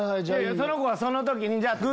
その子がその時に。